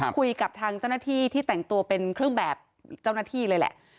คุยกับทางเจ้าหน้าที่ที่แต่งตัวเป็นเครื่องแบบเจ้าหน้าที่เลยแหละ